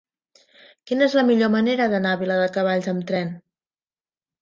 Quina és la millor manera d'anar a Viladecavalls amb tren?